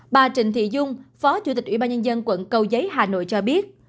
bà trịnh thị dung phó chủ tịch ủy ban nhân dân quận cầu giấy hà nội cho biết